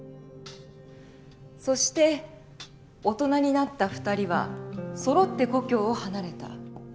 そして大人になった２人はそろって故郷を離れた。